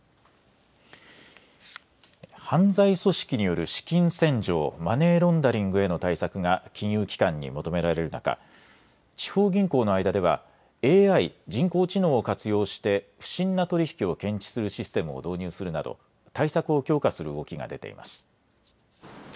犯罪組織による資金洗浄・マネーロンダリングへの対策が金融機関に求められる中、地方銀行の間ではＡＩ・人工知能を活用して不審な取り引きを検知するシステムを導入するなど対策を強化する動きが出ています。